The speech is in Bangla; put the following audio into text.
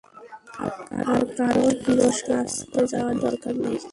আর কারো হিরো সাজতে যাওয়ার দরকার নেই।